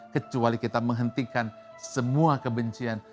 kecuali kita menghentikan semua kebencian